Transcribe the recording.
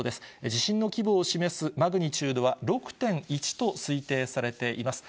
地震の規模を示すマグニチュードは６．１と推定されています。